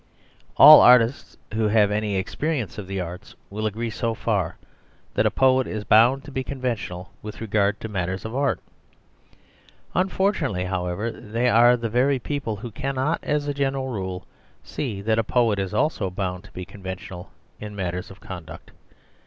All artists, who have any experience of the arts, will agree so far, that a poet is bound to be conventional with regard to matters of art. Unfortunately, however, they are the very people who cannot, as a general rule, see that a poet is also bound to be conventional in matters of conduct.